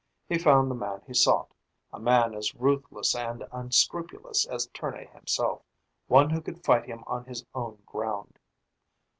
He found the man he sought, a man as ruthless and unscrupulous as Tournay himself, one who could fight him on his own ground.